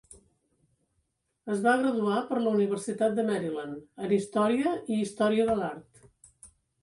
Es va graduar per la Universitat de Maryland, en Història i Història de l'Art.